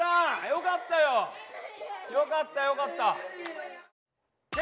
よかったよかった。